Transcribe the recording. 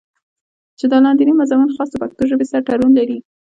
چې دا لانديني مضامين خاص د پښتو ژبې سره تړون لري